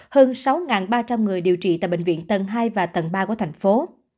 hơn sáu ba trăm linh người điều trị tại bệnh viện tầng hai và tầng ba của thành phố